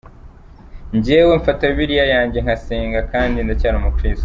Njyewe mfata Bibiliya yanjye ngasenga kandi ndacyari umukirisitu.